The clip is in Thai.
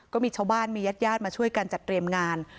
ก็มีชาวบ้านมีญาติญาติมาช่วยกันจัดเตรียมงาน